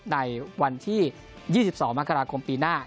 ในวันที่๒๒มกราคมปีหน้า